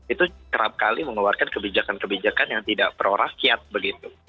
itu kerap kali mengeluarkan kebijakan kebijakan yang tidak pro rakyat begitu